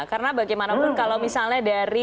karena bagaimanapun kalau misalnya dari